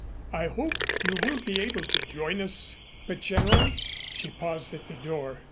I hope you will be able to join us." "But, General " She paused at the door.